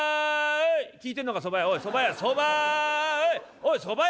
「おいそば屋！」。